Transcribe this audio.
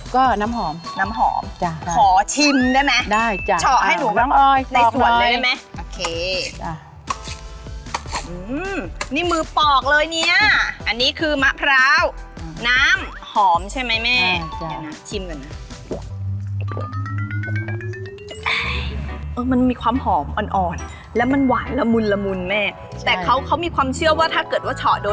ก็น้ำหอมน้ำหอมจ้ะขอชิมได้ไหมได้จ้ะ